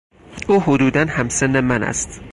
او حدودا هم سن من است.